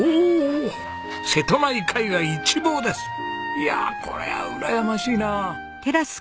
いやこれはうらやましいな。